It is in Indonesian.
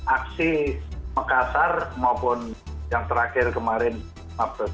aksi mekasar maupun yang terakhir kemarin mabes